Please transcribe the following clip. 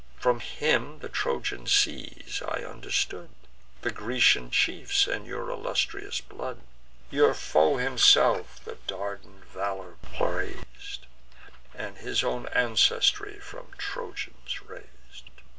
From him the Trojan siege I understood, The Grecian chiefs, and your illustrious blood. Your foe himself the Dardan valour prais'd, And his own ancestry from Trojans rais'd.